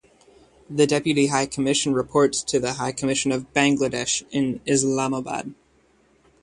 The Deputy High Commission reports to the High Commission of Bangladesh in Islamabad.